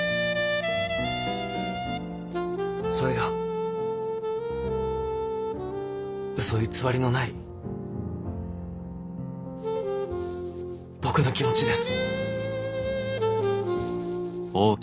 それがうそ偽りのない僕の気持ちです。